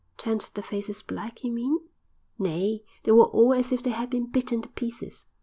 "Turned their faces black, you mean?" "Nay. They were all as if they had been bitten to pieces."